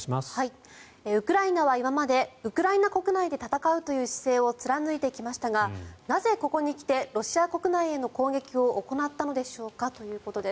ウクライナは今までウクライナ国内で戦うという姿勢を貫いてきましたがなぜ、ここに来てロシア国内への攻撃を行ったのでしょうかということです。